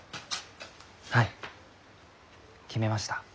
はい決めました。